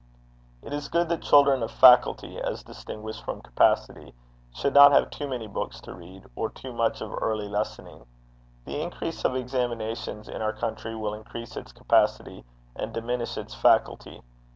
It is good that children of faculty, as distinguished from capacity, should not have too many books to read, or too much of early lessoning. The increase of examinations in our country will increase its capacity and diminish its faculty.